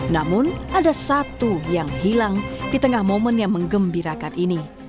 namun ada satu yang hilang di tengah momen yang mengembirakan ini